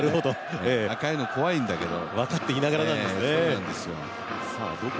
赤いの怖いんだけど。